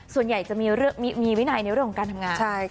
ส่วนใหญ่จะมีวินัยในเรื่องของการทำงาน